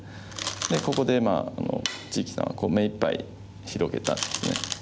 でここで一力さんは目いっぱい広げたんですね。